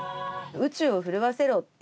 「宇宙を震わせろ今」